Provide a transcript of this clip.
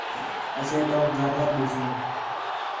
اَسے تؤک جانور ݙیسوں